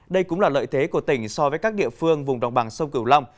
đây cũng là lợi thế của tỉnh so với các địa phương vùng đồng bằng sông cửu long